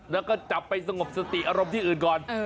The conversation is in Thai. แล้วก็จับไปสงบสติอารมณ์ที่อื่นก่อน